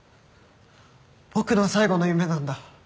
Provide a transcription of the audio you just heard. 僕の最後の夢なんだ。